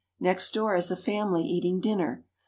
Next door is a family eating dinner.